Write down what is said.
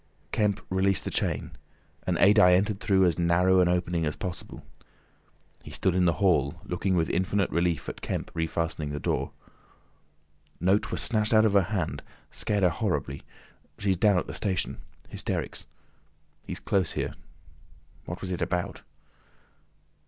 Kemp released the chain, and Adye entered through as narrow an opening as possible. He stood in the hall, looking with infinite relief at Kemp refastening the door. "Note was snatched out of her hand. Scared her horribly. She's down at the station. Hysterics. He's close here. What was it about?"